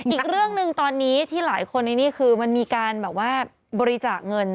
อีกเรื่องนึงตอนนี้หลายคนมีการบริจาคเงิน